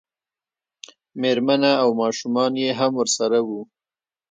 مېرمنه او ماشومان یې هم ورسره وو.